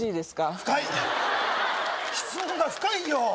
深い質問が深いよ